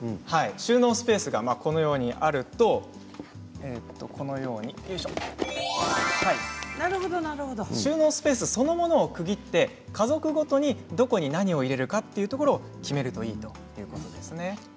収納スペースがあるとするとそのスペースそのものを区切って家族ごとにどこに何を入れるのかと決めるといいということです。